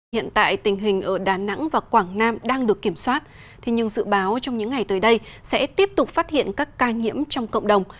hiện tại tình hình ở đà nẵng và quảng nam đang được kiểm soát nhưng dự báo trong những ngày tới đây sẽ tiếp tục phát hiện các ca nhiễm trong cộng đồng